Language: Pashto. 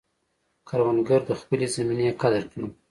کروندګر د خپلې زمینې قدر کوي